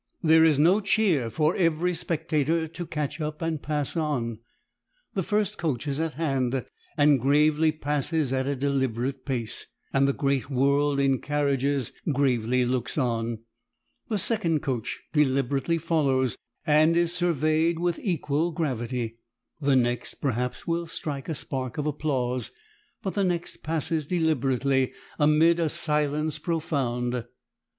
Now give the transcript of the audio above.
There is no cheer for every spectator to catch up and pass on. The first coach is at hand, and gravely passes at a deliberate pace, and the great world in carriages gravely looks on. The second coach deliberately follows, and is surveyed with equal gravity. The next perhaps will strike a spark of applause. But the next passes deliberately amid a silence profound.